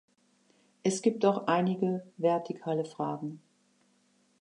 Es gibt auch einige vertikale Fragen.